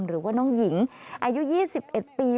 หรือว่าน้องหญิงอายุ๒๑ปี